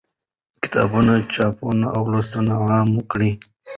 د کتابونو چاپول او لوستل عام کړئ.